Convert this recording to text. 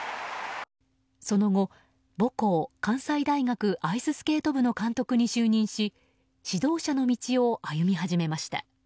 その後、母校関西大学アイススケート部の監督に就任し指導者の道を歩み始めました。